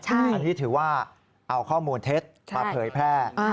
อันนี้ถือว่าเอาข้อมูลเท็จมาเผยแพร่